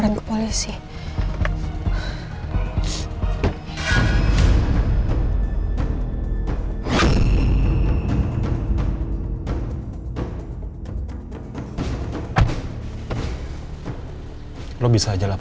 kan enggak seperti telas inget vrave